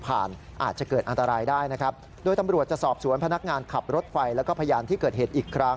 พร้อมประสิทธิ์